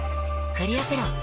クリアプロだＣ。